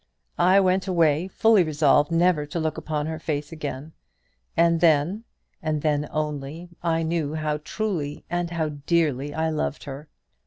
I went away, fully resolved never to look upon her face again; and then, and then only, I knew how truly and how dearly I loved her.